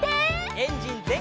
エンジンぜんかい！